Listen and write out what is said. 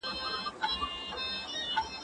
فکر وکړه؟!